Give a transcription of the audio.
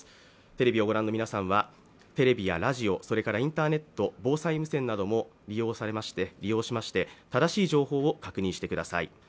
テレビをご覧の皆さんは、テレビやラジオ、インターネット、防災無線なども利用しまして、正しい情報を確認してください。